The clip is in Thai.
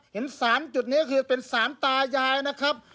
เห็นสารจุดนี้ก็คือเป็นสารตายายนะครับ